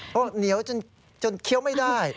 เพราะเหนียวจนเคี้ยวไม่ได้